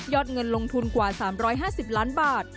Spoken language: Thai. เงินลงทุนกว่า๓๕๐ล้านบาท